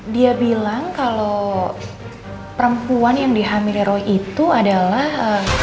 dia bilang kalau perempuan yang dihamil hero itu adalah